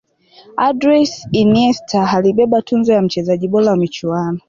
andres iniesta alibeba tuzo ya mchezaji bora wa michuano